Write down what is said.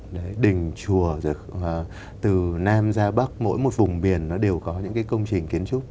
đấy đình chùa từ nam ra bắc mỗi một vùng biển nó đều có những cái công trình kiến trúc